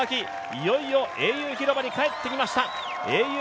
いよいよ英雄広場に帰ってきました。